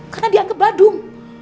karena dianggap badum